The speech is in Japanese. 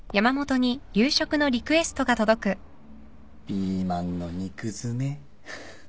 「ピーマンの肉詰め」